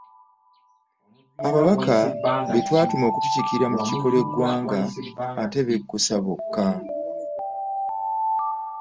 Ababaka be twatuma okutukiikirira mu lukiiko lw'eggwanga ate bekkusa bokka!